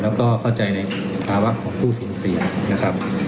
แล้วก็เข้าใจในภาวะของผู้สูญเสียนะครับ